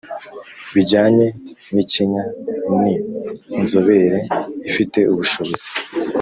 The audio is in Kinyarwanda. bijyanye n ikinya Ni inzobere ifite ubushobozi